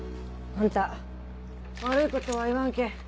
あんた悪いことは言わんけぇ